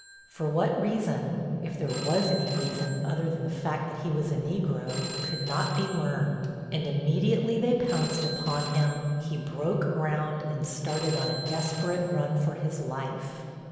For what reason, if there was any reason other than the fact that he was a Negro, could not be learned, and immediately they pounced upon him he broke ground and started on a desperate run for his life.